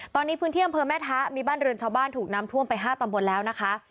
ตอนนี้พื้นที่อำเภอแม่ทะมีบ้านเรือนชาวบ้านถูกน้ำท่วมไป๕ตำบลแล้วนะคะ